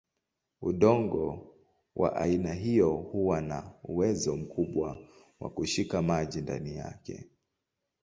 Udongo wa aina hiyo huwa na uwezo mkubwa wa kushika maji ndani yake.